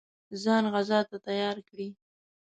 ځان غزا ته تیار کړي.